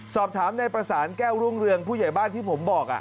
สอบถามในประสานแก้วรุ่งเรืองผู้ใหญ่บ้านที่ผมบอก